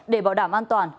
để bảo đảm an toàn